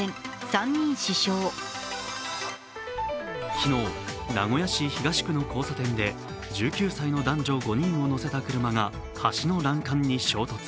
昨日、名古屋市東区の交差点で、１９歳の男女５人を乗せた車が橋の欄干に衝突。